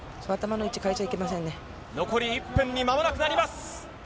残り１分にまもなくなります。